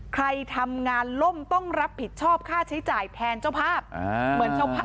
ใครทำงานล่มต้องรับผิดชอบค่าใช้จ่ายแทนเจ้าภาพ